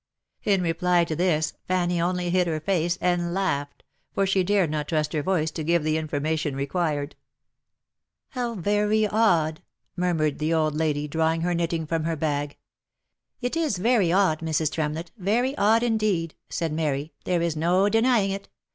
In reply to this Fanny only hid her face, and laughed, for she dared not trust her voice to give the information required. OF MICHAEL ARMSTRONG. 379 " How very odd," murmured the old lady, drawing her knitting from her bag. " It is very odd, Mrs. Tremlett, very odd indeed," said Mary, " there is no denying it.